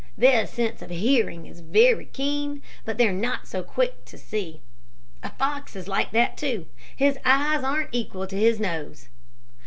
Their sense of hearing is very keen, but they're not so quick to see. A fox is like that, too. His eyes aren't equal to his nose.